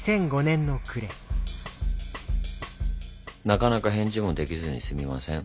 なかなか返事もできずにすみません。